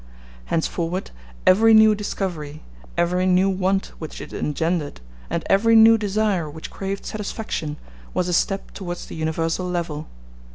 Henceforward every new discovery, every new want which it engendered, and every new desire which craved satisfaction, was a step towards the universal level.